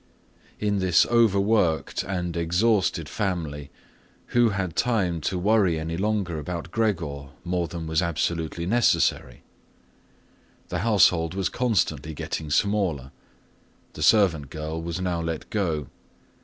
In this overworked and exhausted family who had time to worry any longer about Gregor more than was absolutely necessary? The household was constantly getting smaller. The servant girl was now let go.